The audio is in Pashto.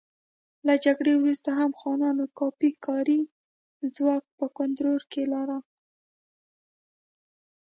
له جګړې وروسته هم خانانو کافي کاري ځواک په کنټرول کې لاره.